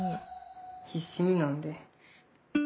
必死に飲んで。